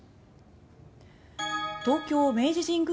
東京・明治神宮